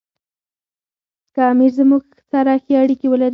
که امیر زموږ سره ښې اړیکې ولري.